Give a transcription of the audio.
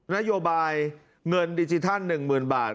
นโยบายเงินดิจิทัล๑๐๐๐บาท